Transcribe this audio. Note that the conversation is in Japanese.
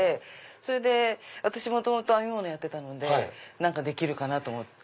それで私編み物やってたので何かできるかなと思って。